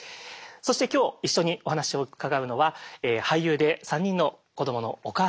そして今日一緒にお話を伺うのは俳優で３人の子どものお母さんでもある矢沢心さんです。